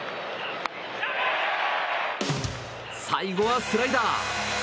最後はスライダー。